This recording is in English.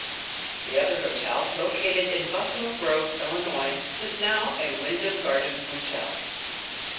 The other hotel, located in Buffalo Grove, Illinois is now a Wyndham Garden Hotel.